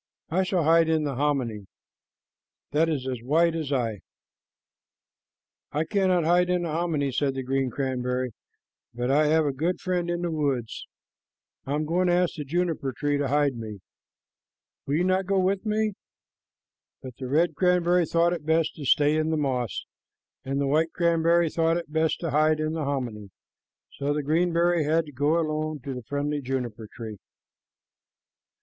I shall hide in the hominy. That is as white as I." "I cannot hide in the hominy," said the green cranberry, "but I have a good friend in the woods. I am going to ask the juniper tree to hide me. Will you not go with me?" But the red cranberry thought it best to stay in the moss, and the white cranberry thought it best to hide in the hominy, so the green cranberry had to go alone to the friendly juniper tree.